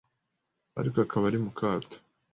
ariko akaba ari mu kato